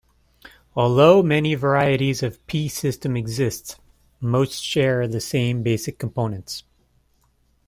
Although many varieties of P system exist, most share the same basic components.